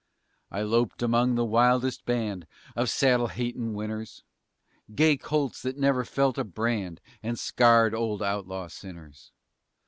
I loped among the wildest band Of saddle hatin' winners Gay colts that never felt a brand And scarred old outlaw sinners.